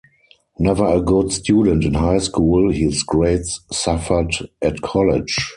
Never a good student in high school, his grades suffered at college.